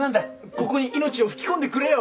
ここに命を吹き込んでくれよ！